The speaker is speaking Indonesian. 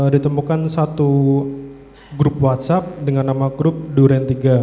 ditemukan satu grup whatsapp dengan nama grup duren tiga